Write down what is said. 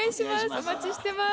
お待ちしてます。